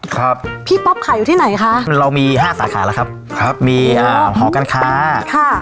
ครับพี่ป๊อปขายอยู่ที่ไหนคะเรามีห้าสาขาแล้วครับครับมีอ่าหอการค้าค่ะ